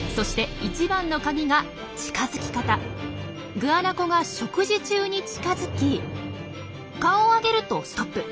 グアナコが食事中に近づき顔を上げるとストップ。